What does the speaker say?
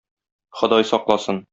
Ходай сакласын!